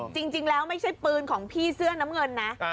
จริงแล้วไม่ใช่ปืนของพี่เสื้อน้ำเงินนะ